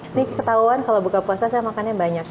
ini ketahuan kalau buka puasa saya makannya banyak